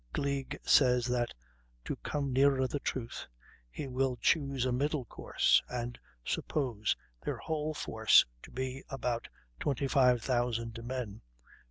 Gleig says that "to come nearer the truth" he "will choose a middle course, and suppose their whole force to be about 25,000 men," (p.